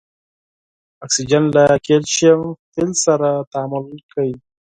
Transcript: اکسیجن له کلسیم فلز سره تعامل کوي.